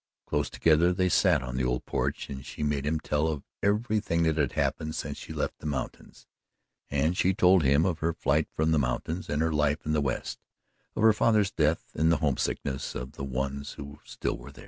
Close together they sat on the old porch and she made him tell of everything that had happened since she left the mountains, and she told him of her flight from the mountains and her life in the West of her father's death and the homesickness of the ones who still were there.